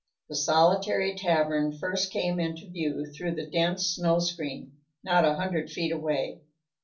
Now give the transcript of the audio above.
The solitary tavern first came into view through the dense snow screen, not a hundred feet away.